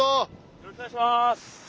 よろしくお願いします。